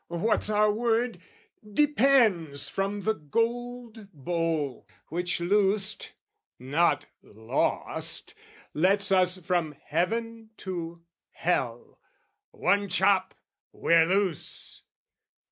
what's our word? Depends from the gold bowl, which loosed (not "lost") Lets us from heaven to hell, one chop, we're loose!